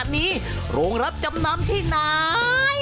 มีเกรดหน่อยดีหน่อย